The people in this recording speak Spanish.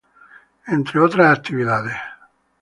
Entre otras actividades.